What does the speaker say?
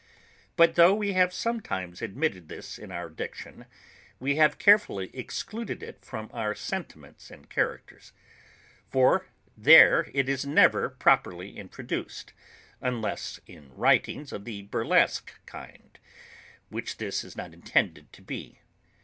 But tho' we have sometimes admitted this in our diction, we have carefully excluded it from our sentiments and characters; for there it is never properly introduced, unless in writings of the burlesque kind, which this is not intended to be.